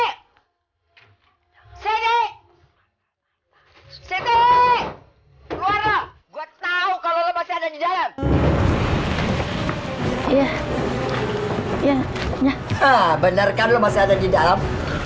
hah bener kan lo masih ada di dalam